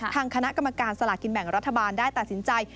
ทางคณะกรรมการสลากินแบ่งรัฐบาลได้ตัดสินใจ